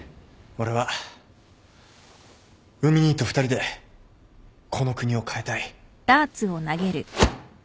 俺は海兄と２人でこの国を変えたい。